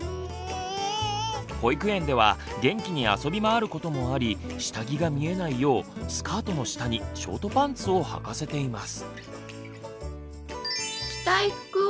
保育園では元気に遊び回ることもあり下着が見えないようスカートの下にショートパンツをはかせています。